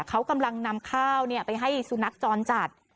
เขากำลังนำข้าวไปให้สุนัขจรจัด